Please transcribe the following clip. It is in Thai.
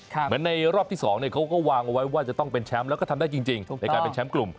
เหมือนในรอบที่๒เขาก็วางเอาไว้ว่าจะต้องเป็นแชมป์แล้วก็ทำได้จริงในการเป็นแชมป์กลุ่ม